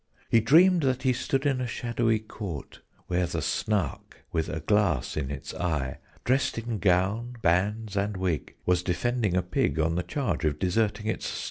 He dreamed that he stood in a shadowy Court, Where the Snark, with a glass in its eye, Dressed in gown, bands, and wig, was defending a pig On the charge of deserting its sty.